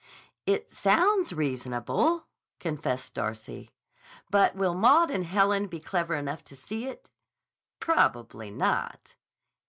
"It sounds reasonable," confessed Darcy. "But will Maud and Helen be clever enough to see it?" "Probably not."